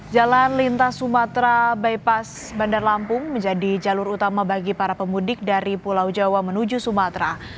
jalan lintas sumatera bypass bandar lampung menjadi jalur utama bagi para pemudik dari pulau jawa menuju sumatera